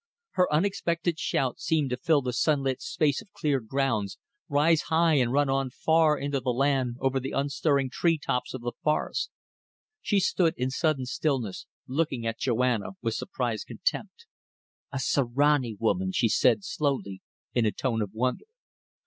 Her unexpected shout seemed to fill the sunlit space of cleared grounds, rise high and run on far into the land over the unstirring tree tops of the forests. She stood in sudden stillness, looking at Joanna with surprised contempt. "A Sirani woman!" she said, slowly, in a tone of wonder.